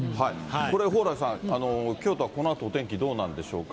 これ、蓬莱さん、京都はこのあとお天気どうなんでしょうか。